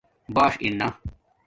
باݽ ارنݳ